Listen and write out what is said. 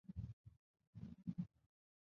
徐州具有六千多年悠久的历史。